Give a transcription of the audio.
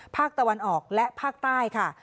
ภาคตะวันออกและภาคใต้ค่ะ